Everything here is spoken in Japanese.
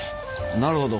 なるほど。